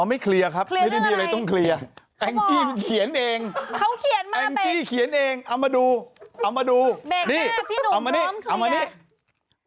อ๋อไม่เคลียร์ครับไม่ได้มีอะไรต้องเคลียร์แองกี้เขียนเองเอามาดูเอามาดูนี่เอามานี่นี่ดูนะคุณผู้ชม